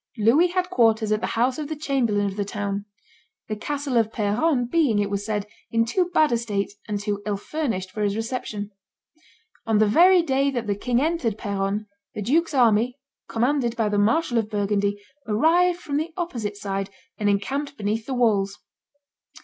Louis had quarters at the house of the chamberlain of the town; the castle of Peronne being, it was said, in too bad a state, and too ill furnished, for his reception. On the very day that the king entered Peronne, the duke's army, commanded by the Marshal of Burgundy, arrived from the opposite side, and encamped beneath the walls.